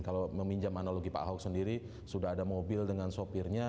kalau meminjam analogi pak ahok sendiri sudah ada mobil dengan sopirnya